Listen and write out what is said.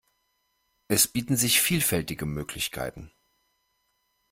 Es bieten sich vielfältige Möglichkeiten.